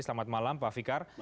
selamat malam pak fikar